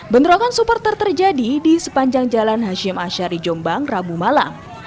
bentrokan supporter terjadi di sepanjang jalan hashim ashari jombang rabu malam